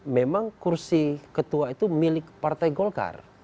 memang kursi ketua itu milik partai golkar